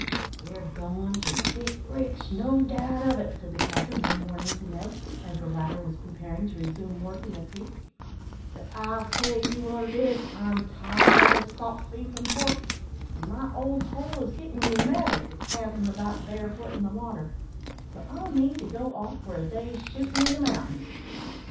"We're goin' to get rich, no doubt of it," said the captain one morning to Ned, as the latter was preparing to resume work in the creek; "but I'll tell you what it is, I'm tired o' salt beef and pork, and my old hull is gettin' rheumatic with paddling about barefoot in the water, so I mean to go off for a day's shootin' in the mountains."